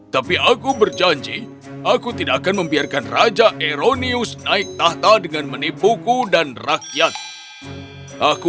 tapi aku berjanji aku tidak akan membiarkan raja aeronius naik tahta dengan menipuku dan rakyat aku